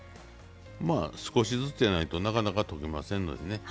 少しずつじゃないとなかなか溶けませんのでね。